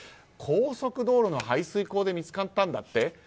高速道路の排水溝で見つかったんだって？